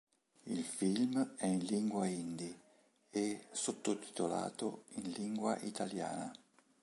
Il film è in lingua hindi e sottotitolato in lingua italiana.